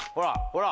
ほら。